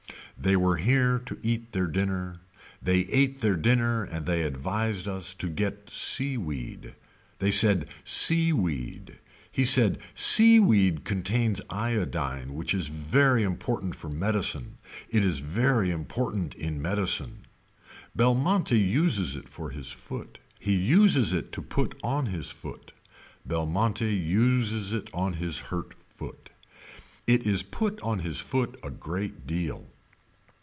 They were here to eat their dinner. They ate their dinner and they advised us to get sea weed. They said seaweed. He said seaweed contains iodine which is very important for medicine. It is very important in medicine. Belmonte uses it for his foot. He uses it to put on his foot. Belmonte uses it on his hurt foot. It is put on his foot a great deal.